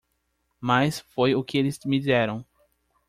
Mas foi o que eles me deram.